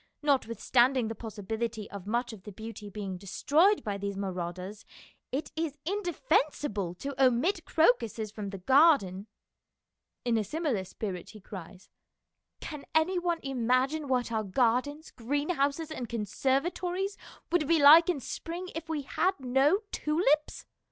Notwith standing the possibility of much of the beauty being destroyed by these marauders, it is indefensible to omit crocuses from the garden." In a similar spirit he cries, " Can any one imagine what our gardens, greenhouses, and conservatories would be like in spring if we had no tulips?